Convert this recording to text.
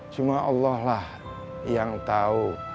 cuma allah lah yang tahu